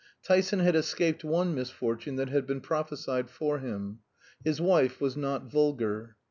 Tyson had escaped one misfortune that had been prophesied for him. His wife was not vulgar.